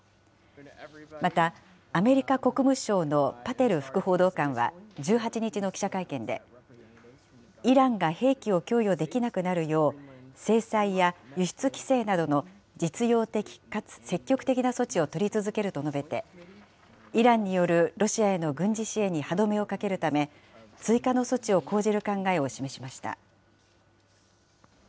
また、アメリカ国務省のパテル副報道官は１８日の記者会見で、イランが兵器を供与できなくなるよう、制裁や輸出規制などの実用的かつ積極的な措置を取り続けると述べて、イランによるロシアへの軍事支援に歯止めをかけるため、追加の措置を講じる考えを示しました。